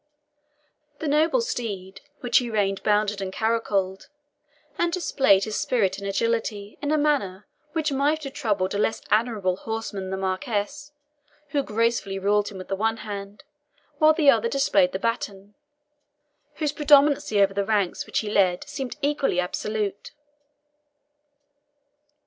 The noble steed which he reined bounded and caracoled, and displayed his spirit and agility in a manner which might have troubled a less admirable horseman than the Marquis, who gracefully ruled him with the one hand, while the other displayed the baton, whose predominancy over the ranks which he led seemed equally absolute.